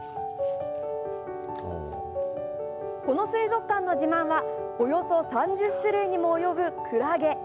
この水族館の自慢は、およそ３０種類にも及ぶクラゲ。